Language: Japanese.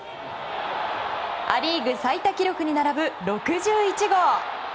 ア・リーグ最多記録に並ぶ６１号。